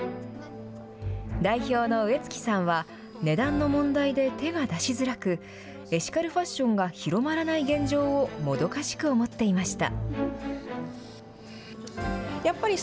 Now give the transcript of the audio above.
代表の植月さんは値段の問題で手が出しづらくエシカルファッションが広まらない現状をもどかしく思っていました。